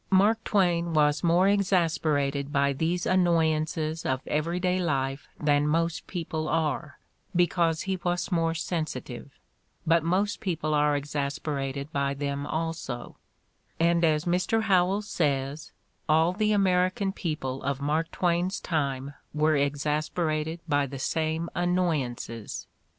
Mark Twain was more exasperated by these annoyances of everyday life than most people are, because he was more sensitive; but, most people are exasperated by them also, and, as Mr. Howells says, all the American people of Mark Twain's time were exasperated by the same annoy ances.